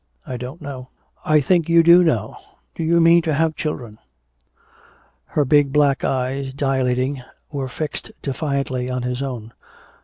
"I don't know." "I think you do know. Do you mean to have children?" Her big black eyes, dilating, were fixed defiantly on his own.